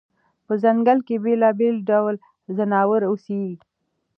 په ځنګل کې بېلابېل ډول ځناور اوسي.